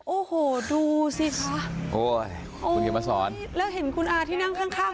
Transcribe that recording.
โอ้โหดูสิคะคุณอย่ามาสอนแล้วเห็นคุณอ่านที่นั่งข้าง